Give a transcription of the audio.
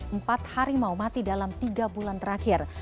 empat harimau mati dalam tiga bulan terakhir